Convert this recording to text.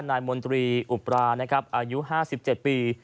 นายมนตรีอุปรานะครับอายุ๕๗ปี